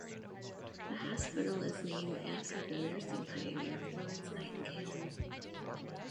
The hospital is named after the nursing pioneer Florence Nightingale.